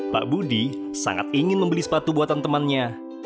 pak budi sangat ingin membeli sepatu buatan temannya